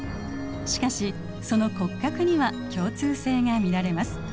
しかしその骨格には共通性が見られます。